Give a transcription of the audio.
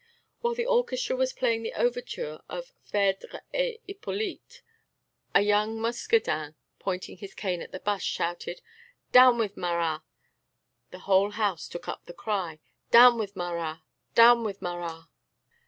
While the orchestra was playing the Overture of Phèdre et Hippolyte, a young Muscadin, pointing his cane at the bust, shouted: "Down with Marat!" and the whole house took up the cry: "Down with Marat! Down with Marat!"